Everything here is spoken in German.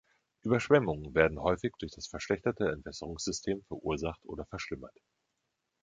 Überschwemmungen werden häufig durch das verschlechterte Entwässerungssystem verursacht oder verschlimmert.